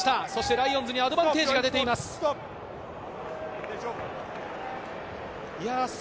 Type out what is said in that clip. ライオンズにアドバンテージが出ています。